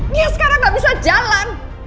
dia sekarang gak bisa jalan